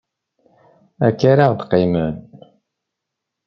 Akka ara ɣ-deqqimen.